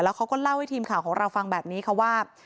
เขาก็เล่าให้ทีมข่าวของเราฟังแบบนี้ค่ะว่า